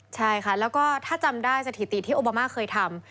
ใช่ค่ะแล้วก็ถ้าจำได้สถิติที่โอบามาเคยทำ